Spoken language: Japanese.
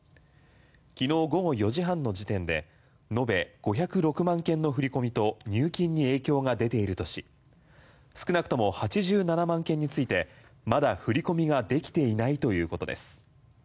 昨日午後４時半の時点で延べ５０６万件の振り込みと入金に影響が出ているとし少なくとも８７万件についてまだ振り込みができていないということです。